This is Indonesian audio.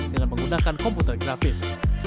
dengan menggunakan komputer grafis